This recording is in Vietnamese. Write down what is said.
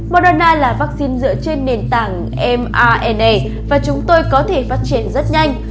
moderna là vaccine dựa trên nền tảng mrna và chúng tôi có thể phát triển rất nhanh